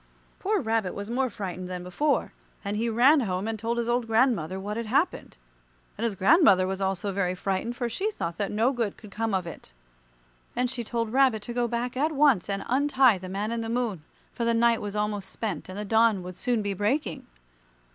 Poor Rabbit was more frightened than before, and he ran home and told his old grandmother what had happened. And his grandmother was also very frightened, for she thought that no good could come of it. And she told Rabbit to go back at once and untie the Man in the Moon, for the night was almost spent, and the dawn would soon be breaking.